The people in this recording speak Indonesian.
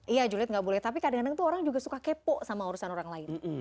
iya julid nggak boleh tapi kadang kadang tuh orang juga suka kepo sama urusan orang lain